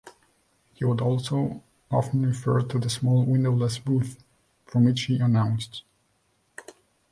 He would also often refer to the "small, windowless booth" from which he announced.